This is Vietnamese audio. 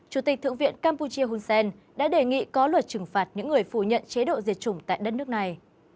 chủ tịch thượng viện campuchia hun sen đã đề nghị có luật trừng phạt những người phù nhận chế độ diệt chủng tại đất nước này